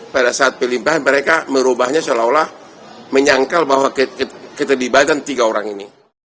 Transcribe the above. pada saat pelimpahan mereka merubahnya seolah olah menyangkal bahwa keterlibatan tiga orang ini